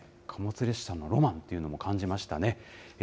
貨物列車のロマンというのも感じましたね。